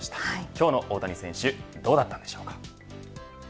今日の大谷選手どうだったんでしょうか。